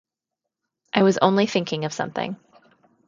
I was only thinking of something.